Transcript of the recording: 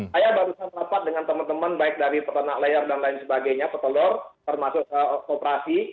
saya barusan rapat dengan teman teman baik dari peternak layar dan lain sebagainya petelur termasuk kooperasi